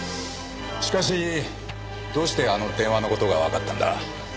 しかしどうしてあの電話の事がわかったんだ？